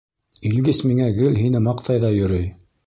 — Илгиз миңә гел һине маҡтай ҙа йөрөй.